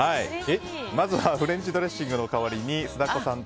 まずはフレンチドレッシングの代わりに酢だこさん